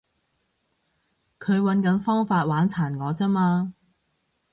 佢搵緊方法玩殘我咋嘛